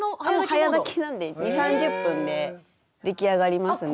もう早炊きなんで２０３０分で出来上がりますね。